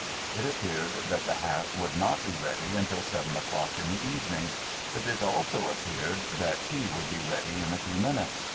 It appeared that the hat would not be ready until seven o'clock in the evening. But it also appeared that tea would be ready in a few minutes.